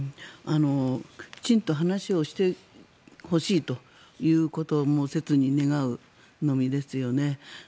きちんと話をしてほしいということを切に願うのみですよね。